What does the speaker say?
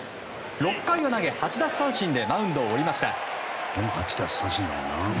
６回を投げ８奪三振でマウンドを降りました。